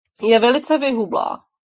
Je velice vyhublá.